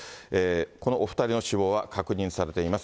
このお２人の死亡は確認されています。